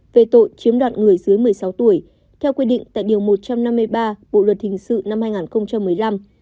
về tội chiếm đoạt người dưới một mươi sáu tuổi theo quy định tại điều một trăm năm mươi ba bộ luật hình sự năm hai nghìn một mươi năm